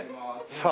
さあ。